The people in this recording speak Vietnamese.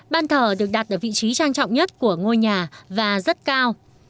ban thờ được đặt ở vị trí trang trọng nhất của ngôi nhà và rất cao